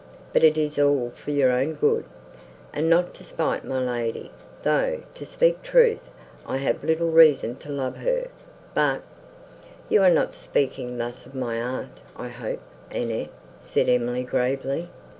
But it is all for your own good, and not to spite my lady, though, to speak truth, I have little reason to love her; but—" "You are not speaking thus of my aunt, I hope, Annette?" said Emily, gravely.